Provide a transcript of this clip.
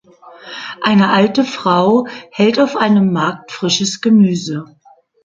Eine alte Frau hält auf einem Markt frisches Gemüse.